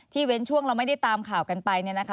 เว้นช่วงเราไม่ได้ตามข่าวกันไป